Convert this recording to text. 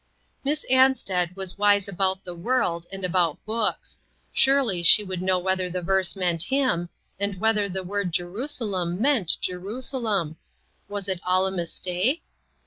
Miss Ansted was wise about the world, and about books ; surely she would know whether the verse meant him, and whether the word Jerusalem meant Jerusalem. Was it all a mistake